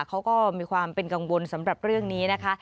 เขาก็มีความเป็นกังวลสำหรับเรื่องนี้นะคะ